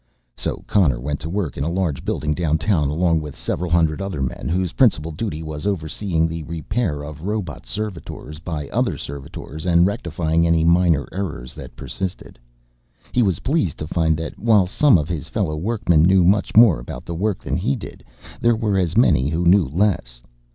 So Connor went to work in a large building downtown along with several hundred other men whose principal duty was overseeing the repair of robot servitors by other servitors and rectifying any minor errors that persisted. He was pleased to find that, while some of his fellow workmen knew much more about the work than he did, there were as many who knew less.